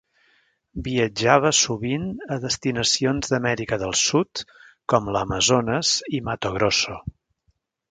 Viatjava sovint a destinacions d'Amèrica del Sud com l'Amazones i Mato Grosso.